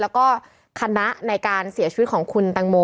แล้วก็คณะในการเสียชีวิตของคุณตังโม